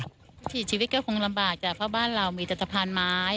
ถีชีวิตก็คงลำบากจ้ะเพราะบ้านเรามีแต่สะพานไม้